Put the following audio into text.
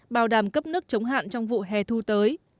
bảo đảm cấp nước chống hạn trong vụ hè thu tới